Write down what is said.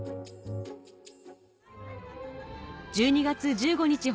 １２月１５日